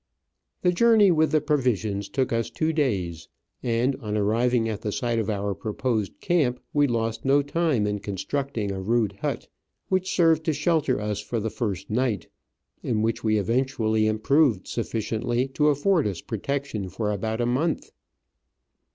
The journey with the provisions took us two days, and on arriving at the site of our proposed camp we lost no time in constructing a rude hut, which served to shelter us for the first night, and which we eventually im proved sufficiently to afford us protection for about a month.